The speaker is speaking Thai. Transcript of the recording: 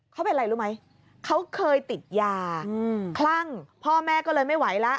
เขาเป็นอะไรรู้ไหมเขาเคยติดยาคลั่งพ่อแม่ก็เลยไม่ไหวแล้ว